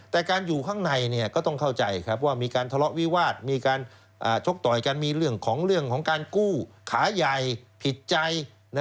แต่การอยู่ข้างในก็ต้องเข้าใจว่ามีการทะเลาะวิวาสมีการชกต่อยกันมีเรื่องของเรื่องของการกู้ขาใหญ่ผิดใจ